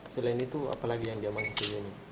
selain itu apa lagi yang diamankan